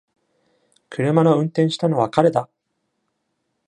車の運転したのは彼だ！